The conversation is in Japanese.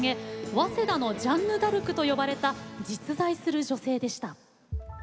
早稲田のジャンヌ・ダルクと呼ばれた実在する女性でした。